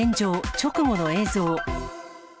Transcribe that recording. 直後の映像。